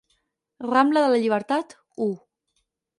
Rambla de la Llibertat, u.